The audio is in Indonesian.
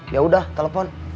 ya udah telepon